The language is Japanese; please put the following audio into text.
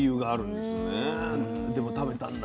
でも食べたんだ。